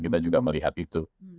kita juga melihat itu